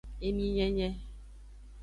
Eminyenye.